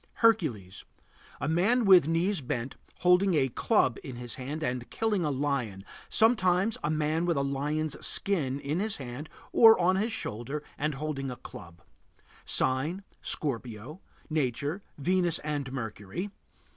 HERCULES. A man with knees bent, holding a club in his hand and killing a lion; sometimes a man with a lion's skin in his hand or on his shoulder and holding a club. Sign: Scorpio. Nature: Venus and Mercury.